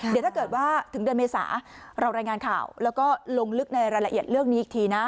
เดี๋ยวถ้าเกิดว่าถึงเดือนเมษาเรารายงานข่าวแล้วก็ลงลึกในรายละเอียดเรื่องนี้อีกทีนะ